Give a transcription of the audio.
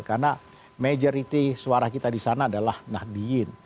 karena majority suara kita di sana adalah nahdijin